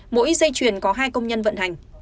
mỗi dây chuyền có hai công nhân vận hành